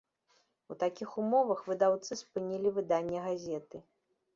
У такіх умовах выдаўцы спынілі выданне газеты.